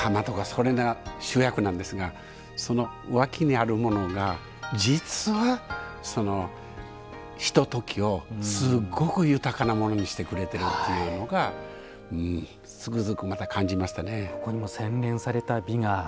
それが主役なんですがその脇にあるものが実は、ひとときをすごく豊かなものにしてくれているっていうのがつくづくまた感じましたね。